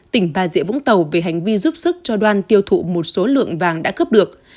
tỉnh bà rịa vũng tàu về hành vi giúp sức cho đoan tiêu thụ một số lượng vàng đã cướp được